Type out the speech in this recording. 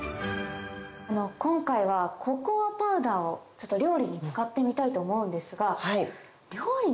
今回はココアパウダーを料理に使ってみたいと思うんですが。